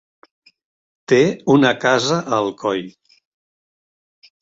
Té una casa a Alcoi.